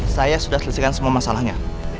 saya sudah selesaikan semua masalahnya